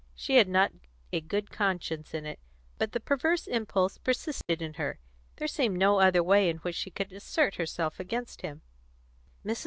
She had not a good conscience in it, but the perverse impulse persisted in her. There seemed no other way in which she could assert herself against him. Mrs.